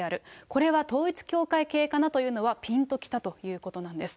これは統一教会系かなというのは、ピンときたということなんです。